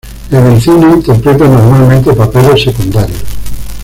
En el cine, interpreta normalmente papeles secundarios.